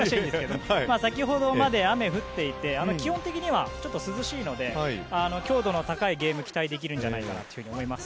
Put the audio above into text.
先ほどまで、雨降っていて基本的にはちょっと涼しいので強度の高いゲームを期待できるんじゃないかと思います。